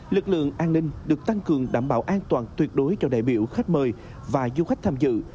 lực lượng an ninh được tăng cường đảm bảo an toàn tuyệt đối cho đại biểu khách mời và du khách tham dự